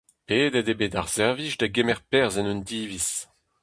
Pedet eo bet ar servij da gemer perzh en un diviz.